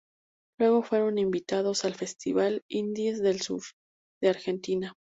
Luego fueron invitados al festival "Indies del Sur" de Argentina.